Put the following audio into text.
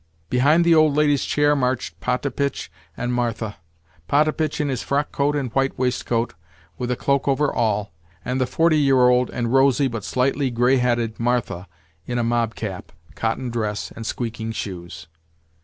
Behind the old lady's chair marched Potapitch and Martha—Potapitch in his frockcoat and white waistcoat, with a cloak over all, and the forty year old and rosy, but slightly grey headed, Martha in a mobcap, cotton dress, and squeaking shoes.